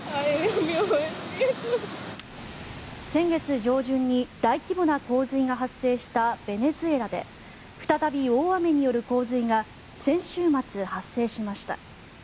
先月上旬に大規模な洪水が発生したベネズエラで再び大雨による洪水が先週末、発生しました。